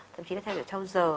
thậm chí là thay đổi theo giờ